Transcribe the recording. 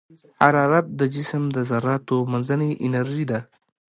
حرارت د جسم د ذراتو منځنۍ انرژي ده.